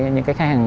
những cái khách hàng